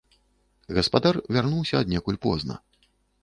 Гаспадар вярнуўся аднекуль позна.